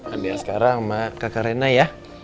andai sekarang sama kakak rena ya